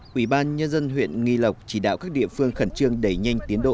quỹ ban nhân dân huyện nghi lộc chỉ đạo các địa phương khẩn trương đẩy nhanh tiến độ